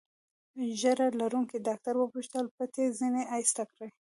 ږیره لرونکي ډاکټر وپوښتل: پټۍ ځینې ایسته کړي؟